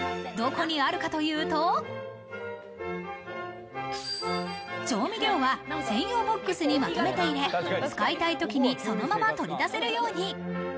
どこにあるかというと、調味料は専用ボックスにまとめて入れ、使いたいときにそのまま取り出せるように。